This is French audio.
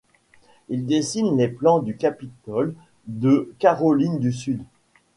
Il dessine les plans du capitole de Caroline du Sud.